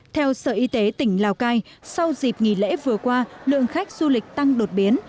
theo sở y tế tỉnh lào cai sau dịp nghỉ lễ vừa qua lượng khách du lịch tăng đột biến